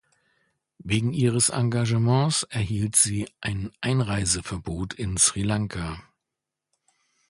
Wegen ihres Engagements erhielt sie ein Einreiseverbot in Sri Lanka.